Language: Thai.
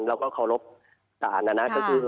เราก็เคารพศาลนะนะ